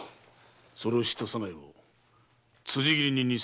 それを知った左内を辻斬りに似せ斬ったのだ。